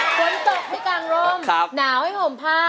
ฝนตกให้กางร่มหนาวให้ห่มผ้า